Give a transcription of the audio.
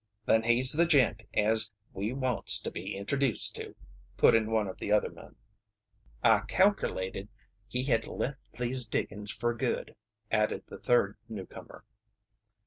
"Then he's the gent as we wants to be introduced to," put in one of the other men. "I calkerlated he had left these diggin's fer good," added the third newcomer.